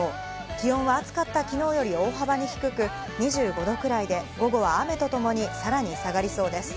気温は暑かったきのうより大幅に低く、２５度ぐらいで、午後は雨とともにさらに下がりそうです。